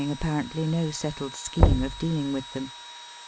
277 apparently no settled scheme of dealing with them.